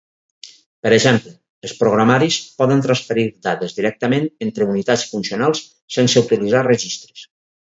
Per exemple, els programaris poden transferir dades directament entre unitats funcionals sense utilitzar registres.